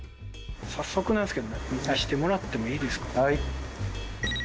早速なんですけど見せてもらってもいいですか？